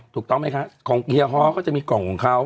ถ้า